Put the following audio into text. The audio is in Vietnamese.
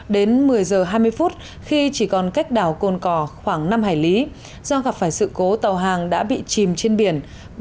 đến một mươi giờ hai mươi phút khi chỉ còn cách đảo cồn cò khoảng năm hải lý do gặp phải sự cố tàu hàng đã bị chìm trên biển